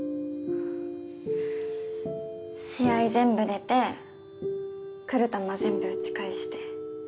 試合全部出て来る球全部打ち返して。